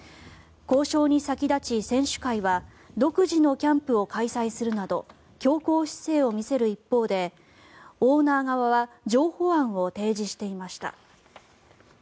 交渉に先立ち選手会は独自のキャンプを開催するなど強硬姿勢を見せる一方でオーナー側は譲歩案を提示していました。